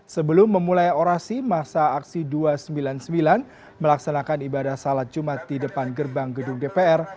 sebelum memulai orasi masa aksi dua ratus sembilan puluh sembilan melaksanakan ibadah salat jumat di depan gerbang gedung dpr